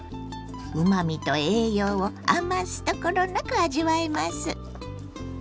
うまみと栄養を余すところなく味わえます。